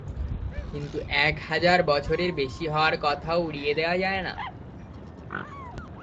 কিন্তু এক হাজার বছরের বেশি হওয়ার কথাও উড়িয়ে দেয়া যায় না।